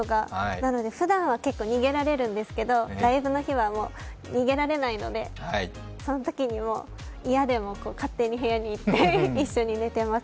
なので、ふだんは結構逃げられるんですけどライブの日は逃げられないのでそのときにもう、嫌でも勝手に部屋に行って一緒に寝てます。